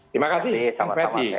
terima kasih pak fethi